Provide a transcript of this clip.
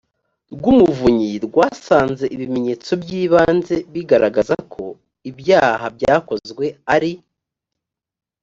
rw umuvunyi rwasanze ibimenyetso by ibanze bigaragaza ko ibyaha byakozwe ari